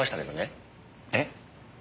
えっ？